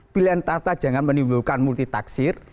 pilihan tata jangan menimbulkan multitaksir